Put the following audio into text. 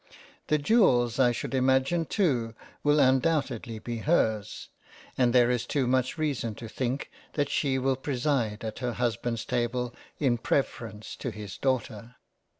The Jewels I should imagine too will undoubtedly be hers, and there is too much reason to think that she will pre side at her Husbands table in preference to his Daughter.